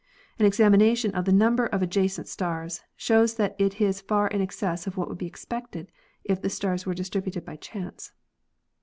An examination of the number of adjacent stars shows that it is far in excess of what would be expected if the stars were distributed by chance.